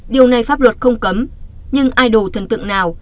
điều này pháp luật không cấm nhưng idol thần tượng nào